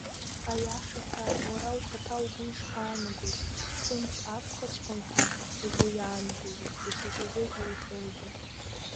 Аиаша ҳәа, уара ухаҭа угәы ишԥаанагоз, сымч ақәхаҵәҟьом ҳәа угәы иаанагозу, даҽаказы иуҳәозу?